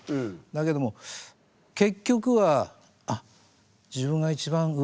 だけども結局はあっ自分が一番動きやすい。